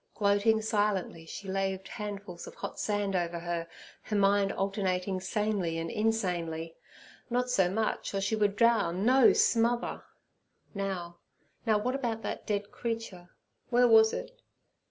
Gloating silently, she laved handfuls of hot sand over her, her mind alternating sanely and insanely. Not so much, or she would drown—no, smother. Now, now, what about that dead creature? Where was it?